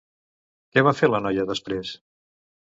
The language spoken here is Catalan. Què va fer la noia després?